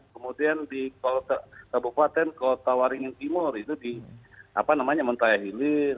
kemudian di kabupaten kota waringin timur itu di apa namanya mentahilir